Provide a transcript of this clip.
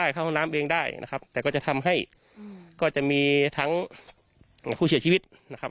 เข้าห้องน้ำเองได้นะครับแต่ก็จะทำให้ก็จะมีทั้งผู้เสียชีวิตนะครับ